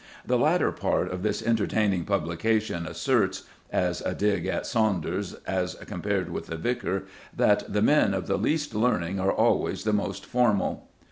The latter part of this entertaining publication asserts as a dig at Saunders as compared with the Vicar that "men of the least learning are always the most formal."